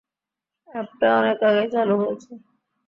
অ্যাপটা অনেক আগেই চালু হয়েছে!